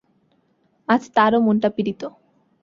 আজ তাঁরও মনটা পীড়িত।